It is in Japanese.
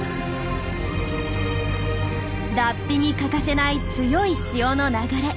脱皮に欠かせない強い潮の流れ。